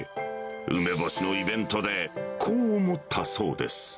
梅干しのイベントで、こう思ったそうです。